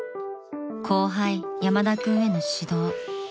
［後輩山田君への指導］